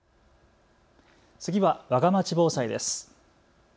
次はわがまち防災です。